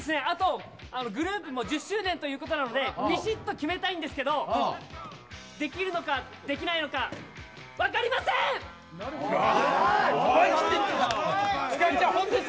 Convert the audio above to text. あと、グループも１０周年ということなのでびしっと決めたいんですけどできるのかできないのか分かりません！